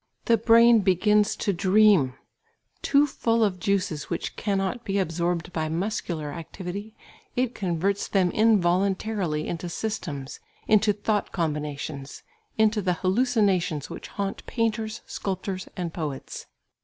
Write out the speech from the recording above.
The brain begins to dream; too full of juices which cannot be absorbed by muscular activity, it converts them involuntarily into systems, into thought combinations, into the hallucinations which haunt painters, sculptors and poets.